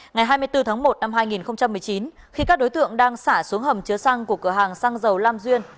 ngày hai mươi bốn tháng một năm hai nghìn một mươi chín khi các đối tượng đang xả xuống hầm chứa xăng của cửa hàng xăng dầu lam duyên